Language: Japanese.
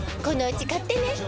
このうち買ってね。